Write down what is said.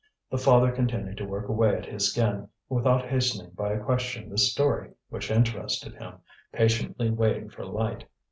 The father continued to work away at his skin, without hastening by a question this story which interested him, patiently waiting for light.